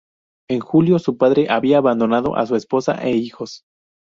En julio, su padre había abandonado a su esposa e hijos.